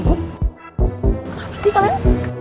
kenapa sih kalian